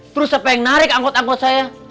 terus siapa yang narik angkot angkot saya